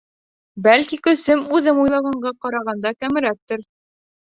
— Бәлки көсөм үҙем уйлағанға ҡарағанда кәмерәктер.